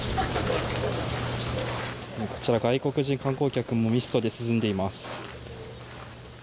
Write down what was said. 外国人観光客もミストで涼んでいます。